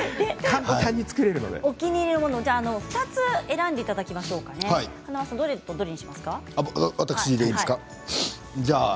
お気に入りのもの２つ選んでいただきましょうどれにしますか？